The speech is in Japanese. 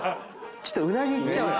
ちょっとうなぎいっちゃおうよ。